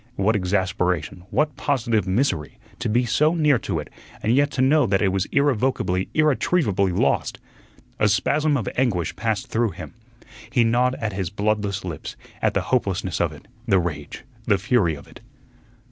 What exasperation, what positive misery, to be so near to it and yet to know that it was irrevocably, irretrievably lost! A spasm of anguish passed through him. He gnawed at his bloodless lips, at the hopelessness of it, the rage, the fury of it.